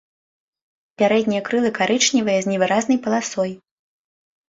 Пярэднія крылы карычневыя з невыразнай паласой.